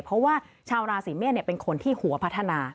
เพราะว่าชาวราศีเมษเป็นคนที่หัวพัฒนา